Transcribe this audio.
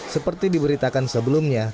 seperti diberitakan sebelumnya